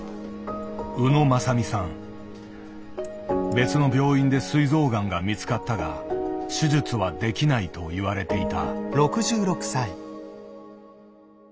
別の病院ですい臓がんが見つかったが「手術はできない」と言われていた。